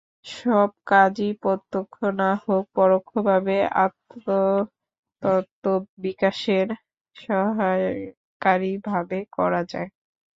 সব কাজই প্রত্যক্ষ না হোক, পরোক্ষভাবে আত্মতত্ত্ব-বিকাশের সহায়কারী ভাবে করা যায়।